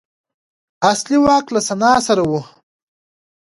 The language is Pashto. اصلي واک له سنا سره و